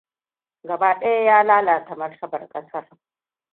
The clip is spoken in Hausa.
Gaba ɗaya ya lalata martabar kasar.